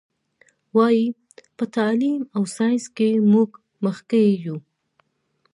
وایي: په تعلیم او ساینس کې موږ مخکې یو.